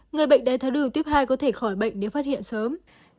người bệnh đáy tháo đường tiếp hai có thể khỏi bệnh nếu phát hiện sớm